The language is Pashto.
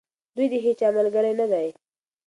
دوی د هیچا ملګري نه دي.